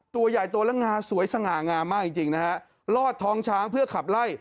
ตัวใหญ่ตัวแล้วงาสวยสง่างามมากจริงจริงนะฮะลอดท้องช้างเพื่อขับไล่